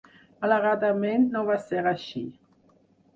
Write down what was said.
Malauradament no va ser així.